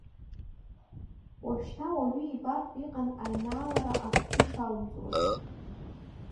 Уажәшьҭа уаҩы ибартә иҟан аинаалара акгьы шалымҵуаз.